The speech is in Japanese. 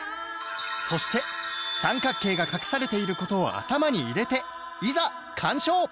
そして三角形が隠されている事を頭に入れていざ鑑賞！